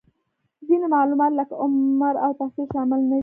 ځینې معلومات لکه عمر او تحصیل شامل نهدي